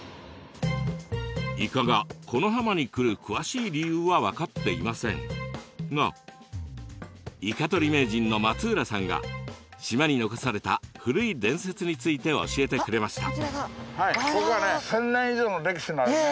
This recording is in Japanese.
イカがこの浜に来る詳しい理由は分かっていませんがイカとり名人の松浦さんが島に残された古い伝説について教えてくれました。